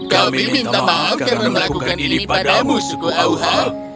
kami minta maaf karena melakukan ini padamu suku auha